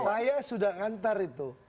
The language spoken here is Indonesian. saya sudah mengantar itu